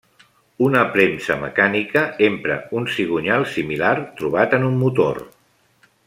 Una premsa mecànica empra un cigonyal similar trobat en un motor.